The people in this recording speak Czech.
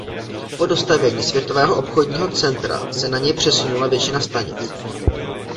Po dostavění Světového obchodního centra se na něj přesunula většina stanic.